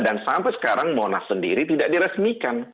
dan sampai sekarang monas sendiri tidak diresmikan